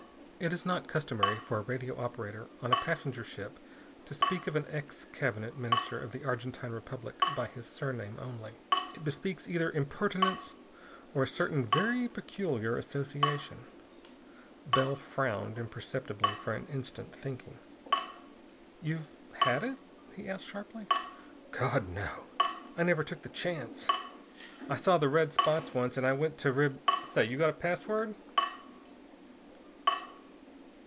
It is not customary for a radio operator on a passenger ship to speak of an ex Cabinet Minister of the Argentine Republic by his surname only. It bespeaks either impertinence or a certain very peculiar association. Bell frowned imperceptibly for an instant, thinking. "You've had it?" he asked sharply. "God, no! I never took the chance! I saw the red spots once, and I went to Rib Say! You got a password?"